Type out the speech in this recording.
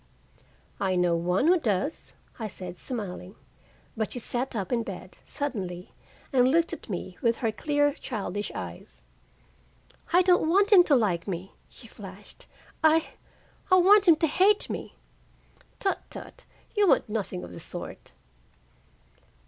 "I know one who does," I said, smiling. But she sat up in bed suddenly and looked at me with her clear childish eyes. "I don't want him to like me!" she flashed. "I I want him to hate me." "Tut, tut! You want nothing of the sort."